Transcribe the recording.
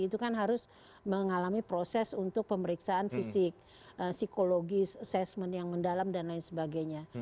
itu kan harus mengalami proses untuk pemeriksaan fisik psikologis assessment yang mendalam dan lain sebagainya